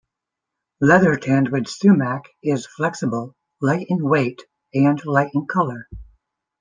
Leather tanned with sumac is flexible, light in weight, and light in color.